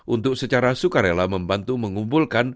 untuk secara sukarela membantu mengumpulkan